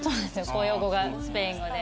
公用語がスペイン語で。